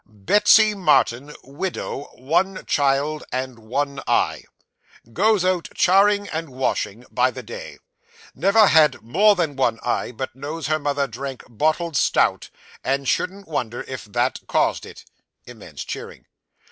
'Betsy Martin, widow, one child, and one eye. Goes out charing and washing, by the day; never had more than one eye, but knows her mother drank bottled stout, and shouldn't wonder if that caused it (immense cheering).